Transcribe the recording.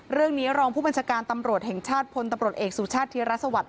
รองผู้บัญชาการตำรวจแห่งชาติพลตำรวจเอกสุชาติธิรสวัสดิ